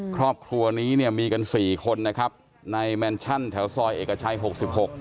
ครอบครัวนี้เนี่ยมีกันสี่คนนะครับในแมนชั่นแถวซอยเอกชัยหกสิบหก